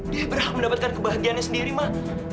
dia berhak mendapatkan kebahagiaannya sendiri mak